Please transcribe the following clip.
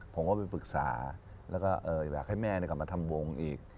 ผมก็ไปปรึกษาแล้วก็อยากให้แม่กลับมาทำวงอีก